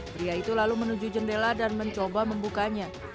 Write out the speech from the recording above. pria itu lalu menuju jendela dan mencoba membukanya